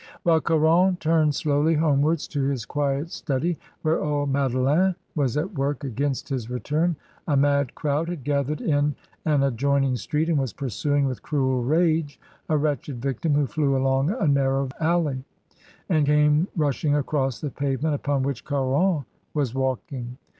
While Caron turned slowly homewards to his quiet study, where old Madeleine was at work against his return, a mad crowd had gathered in an ad joining street, and was pursuing with cruel rage a wretched victim who flew along a narrow alley, and came rushing across the pavement upon which Caron was walking.